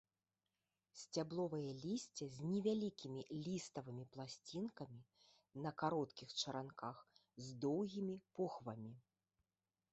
Сцябловае лісце з невялікімі ліставымі пласцінкамі на кароткіх чаранках, з доўгімі похвамі.